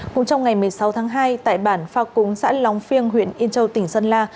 cũng trong ngày một mươi sáu tháng hai tại bản phao cúng xã lóng phiêng huyện yên châu tỉnh sơn la